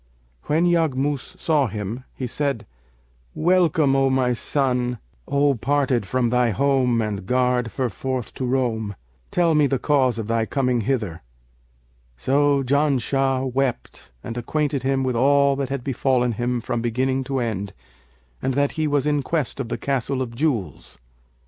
When Yaghmus saw him, he said, 'Welcome, O my son, O parted from thy home and garred ferforth to roam! Tell me the cause of thy coming hither.' So Janshah wept and acquainted him with all that had befallen him from beginning to end and that he was in quest of the Castle of Jewels.